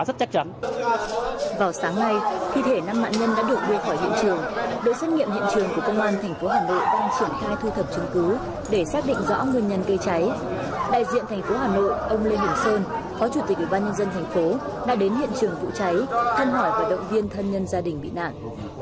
đại diện thành phố hà nội ông lê hình sơn phó chủ tịch ủy ban nhân dân thành phố đã đến hiện trường vụ cháy thân hỏi và động viên thân nhân gia đình bị nạn